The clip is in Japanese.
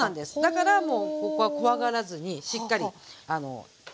だからもうここは怖がらずにしっかり入れて下さい。